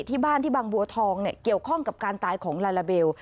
ที่บ้านที่บางบัวทองเกี่ยวข้องกับการตายของลาลาเบล